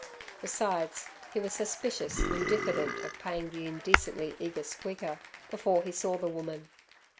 Besides he was suspicious and diffident of paying the indecently eager Squeaker before he saw the woman.